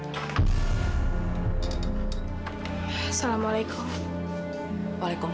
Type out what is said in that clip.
jewh gir sudah muncul atau bukan